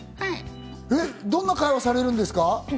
どんな会話されるんですか？